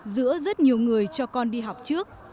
giữa rất nhiều người cho con đi học trước